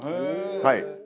はい。